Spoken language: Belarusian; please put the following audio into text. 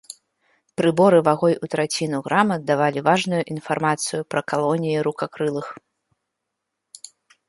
Прыборы вагой у траціну грама давалі важную інфармацыю пра калоніі рукакрылых.